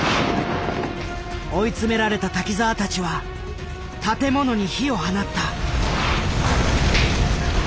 追い詰められた瀧澤たちは建物に火を放った。